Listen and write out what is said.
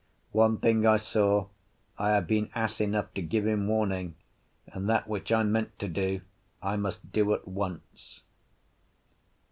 One thing I saw, I had been ass enough to give him warning, and that which I meant to do I must do at once.